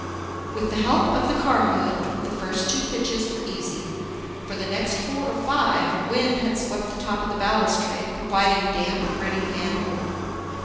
With the help of the car hood, the first two pitches were easy. For the next four or five, wind had swept the top of the balustrade, providing damp, gritty handhold.